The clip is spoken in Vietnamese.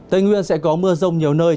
tây nguyên sẽ có mưa rông nhiều nơi